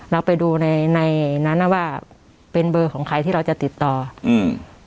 เราไปดูในในนั้นน่ะว่าเป็นเบอร์ของใครที่เราจะติดต่ออืม